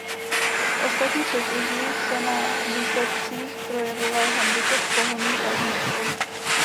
V ostatních soutěžích se na výsledcích projevoval handicap pohonu zadních kol.